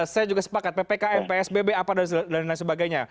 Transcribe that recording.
saya juga sepakat ppkm psbb apa dan lain sebagainya